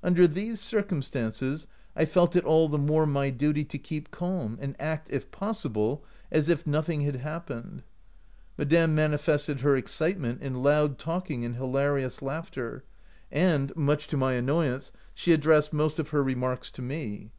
Under these circumstances I felt it all the more my duty to keep calm, and act, if pos sible, as if nothing had happened. Madame manifested her excitement in loud talking and hilarious laughter, and, much to my annoyance, she addressed most of her re marks to me.